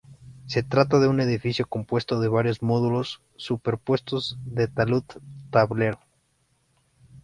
Se trata de un edificio compuesto de varios módulos superpuestos de talud-tablero.